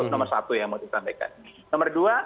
nomor satu yang mau disampaikan nomor dua